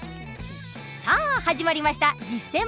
さあ始まりました「実践！